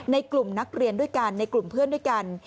ในกลุ่มนักเรียนด้วยกันในกลุ่มเพื่อนด้วยกัน